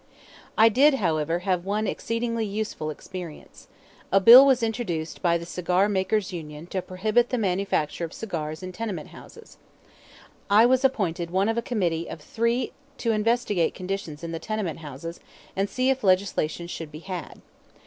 I did, however, have one exceedingly useful experience. A bill was introduced by the Cigar Makers' Union to prohibit the manufacture of cigars in tenement houses. I was appointed one of a committee of three to investigate conditions in the tenement houses and see if legislation should be had.